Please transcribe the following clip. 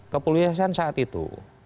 kepolisian saat itu